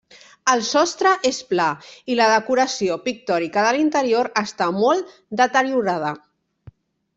El sostre és pla i la decoració pictòrica de l'interior està molt deteriorada.